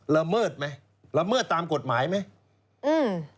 ละเมิดไหมละเมิดตามกฎหมายไหมอืม